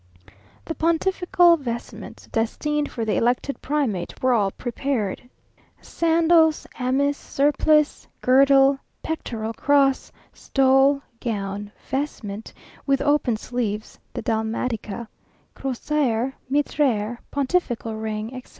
The pontifical vestments destined for the elected primate, were all prepared; sandals, amice, surplice, girdle, pectoral cross, stole, gown, vestment, with open sleeves (the dalmatica), crosier, mitre, pontifical ring, etc.